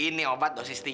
ini banyak sekali